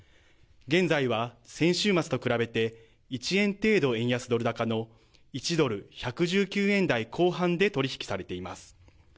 現在は先週末と比べて１円程度円安ドル高の１ドル１１９円台後半で取り引きされています。